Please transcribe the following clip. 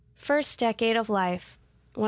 Decade of Life. Males.